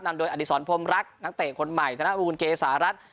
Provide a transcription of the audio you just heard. นำโดยอดิษรพรมรักนักเตะคนใหม่ธนาบุคุณเกสารัฐ